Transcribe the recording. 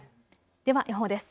では予報です。